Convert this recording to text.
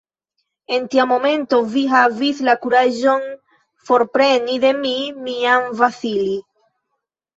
En tia momento vi havis la kuraĝon forpreni de mi mian Vasili!